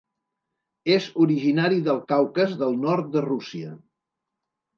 És originari del Caucas del Nord de Rússia.